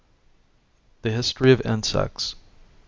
THE HISTORY OF INSECTS.